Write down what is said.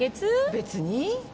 別に。